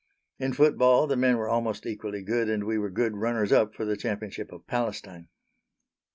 In football the men were almost equally good, and we were good runners up for the Championship of Palestine.